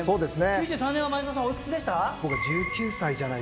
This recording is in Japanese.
９３年は前園さんはおいくつでした？